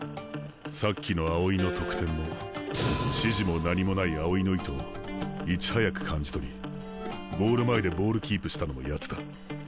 さっきの青井の得点も指示も何もない青井の意図をいち早く感じ取りゴール前でボールキープしたのもやつだ。